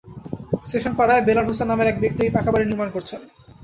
স্টেশনপাড়ার বেলাল হোসেন নামের এক ব্যক্তি ওই পাকা বাড়ি নির্মাণ করছেন।